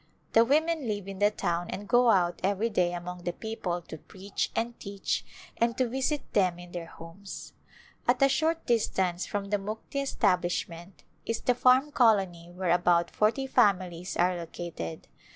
The women live in the town and go out every day among the people to preach and teach and to visit them in their homes. At a short distance from the Mukti establishment is the Farm Colony where about forty families are lo cated.